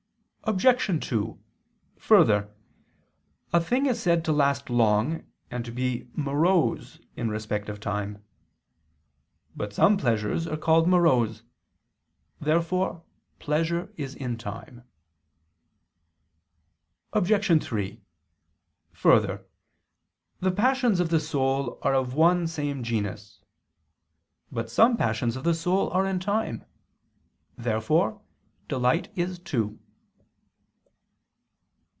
Obj. 2: Further, a thing is said to last long and to be morose in respect of time. But some pleasures are called morose. Therefore pleasure is in time. Obj. 3: Further, the passions of the soul are of one same genus. But some passions of the soul are in time. Therefore delight is too.